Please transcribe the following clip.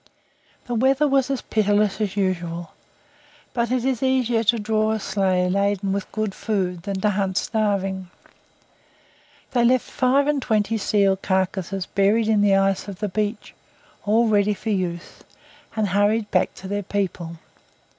The weather was as pitiless as usual; but it is easier to draw a sleigh loaded with good food than to hunt starving. They left five and twenty seal carcasses buried in the ice of the beach, all ready for use, and hurried back to their people.